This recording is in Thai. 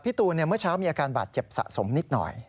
ตูนเมื่อเช้ามีอาการบาดเจ็บสะสมนิดหน่อย